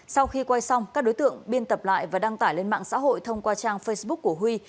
sau khi quay xong các đối tượng biên tập lại và đăng tải lên mạng xã hội thông qua trang facebook của huy